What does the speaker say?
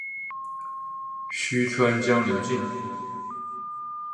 虚川江流经。